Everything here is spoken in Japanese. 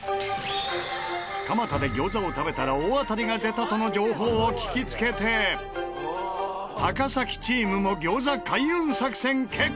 蒲田で餃子を食べたら大当たりが出たとの情報を聞きつけて高崎チームも餃子開運作戦決行！